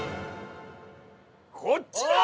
こっちだ！